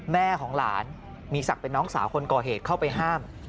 แม่ของหลานมีศักดิ์เป็นน้องสาวคนก่อเหตุเข้าไปห้าม